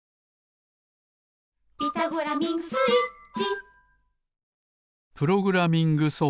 「ピタゴラミングスイッチ」